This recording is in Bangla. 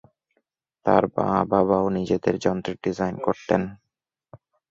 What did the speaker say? তার মা-বাবাও নিজেদের যন্ত্রের ডিজাইন করতেন।